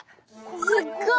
すっごい。